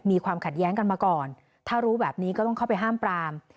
มีความขัดแย้งกันมาก่อนถ้ารู้แบบนี้ก็ต้องเข้าไปห้ามปราม